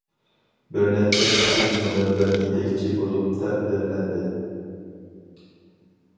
بىر نەچچە قېتىم ‹ ‹مۇنەۋۋەر يېتەكچى› › بولۇپ تەقدىرلەندى.